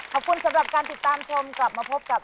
ขอบคุณสำหรับการติดตามชมกลับมาพบกับ